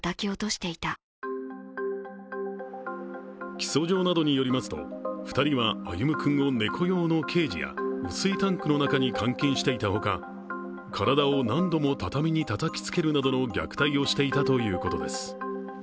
起訴状などによりますと２人は歩夢君を猫用のケージや雨水タンクの中に監禁していたほか体を何度も畳にたたきつけるなどの虐待をしていたということです。